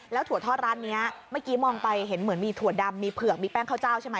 ถั่วทอดร้านนี้เมื่อกี้มองไปเห็นเหมือนมีถั่วดำมีเผือกมีแป้งข้าวเจ้าใช่ไหม